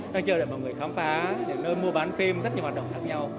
đang chơi để mọi người khám phá những nơi mua bán phim rất nhiều hoạt động khác nhau